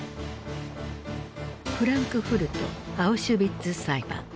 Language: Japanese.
フランクフルト・アウシュビッツ裁判。